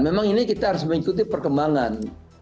memang ini kita harus mengikuti perkembangan